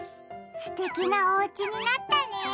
すてきなおうちになったね！